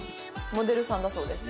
モデルさんだそうです。